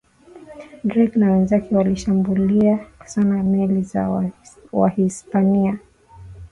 drake na wenzake walishambulia sana meli za wahispania